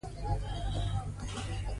وړاندې لاړ شئ او بریالي اوسئ.